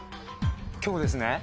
今日ですね